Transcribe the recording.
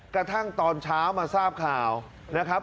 กระทั่งตอนเช้ามาทราบข่าวนะครับ